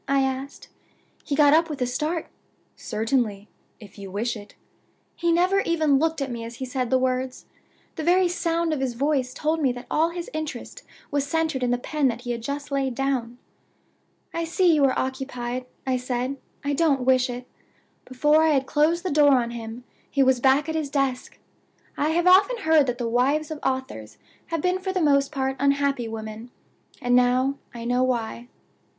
I asked. He got up with a start. 'Certainly, if you wish it.' He never even looked at me as he said the words. The very sound of his voice told me that all his interest was centered in the pen that he had just laid down. 'I see you are occupied,' I said; 'I don't wish it.' Before I had closed the door on him he was back at his desk. I have often heard that the wives of authors have been for the most part unhappy women. And now I know why.